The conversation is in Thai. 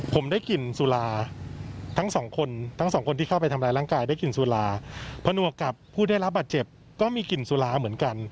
ผมได้กลิ่นสุราทั้งสองคนทั้งสองคนที่เข้าไปทำร้ายร่างกายได้กลิ่นสุรา